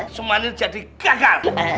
semangat jadi gagal